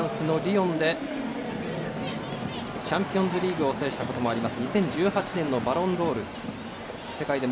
フランスでリヨンでチャンピオンズリーグも制したことがあります。